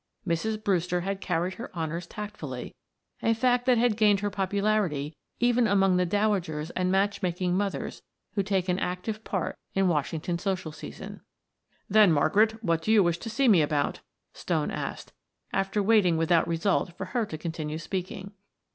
Mrs. Brewster had carried her honors tactfully, a fact which had gained her popularity even among the dowagers and match making mothers who take an active part in Washington's social season. "Then, Margaret, what do you wish to see me about?" Stone asked, after waiting without result for her to continue speaking.